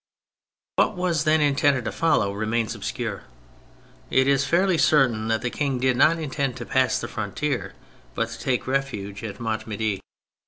What was then intended to follow remains obscure. It is fairly certain that the King did not intend to pass the frontier but to take refuge at Montm6dy.